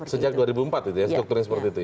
sejak dua ribu empat strukturnya seperti itu ya